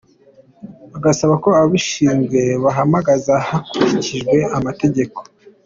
Agasaba ko ababishinzwe babahamagaza hakurikijwe amategeko.